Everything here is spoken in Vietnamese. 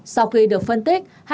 sau khi được phân tích